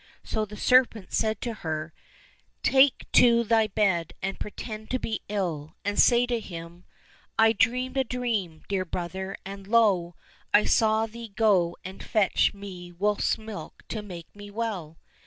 So the serpent said to her, " Take to thy bed and pretend to be ill, and say to him, ' I dreamed a dream, dear brother, and lo, I saw thee go and fetch me wolf's milk to make me well.'